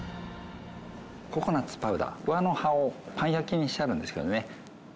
ココナッツパウダー桑の葉をパン焼きにしてあるんですけどね。